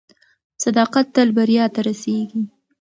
صداقت تل بریا ته رسیږي.